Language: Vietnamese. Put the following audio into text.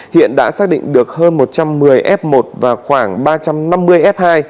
hiện đã xác định được hơn một trăm một mươi f một và khoảng ba trăm năm mươi f hai